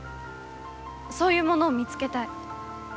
そういうものを見つけたい。